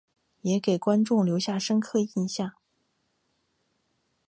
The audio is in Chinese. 也给观众留下深刻影象。